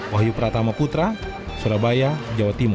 wahyu pratama putra surabaya jawa timur